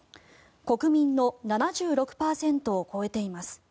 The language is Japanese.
国民の７６％を超えています。